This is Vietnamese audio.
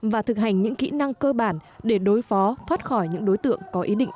và thực hành những kỹ năng cơ bản để đối phó thoát khỏi những đối tượng có ý định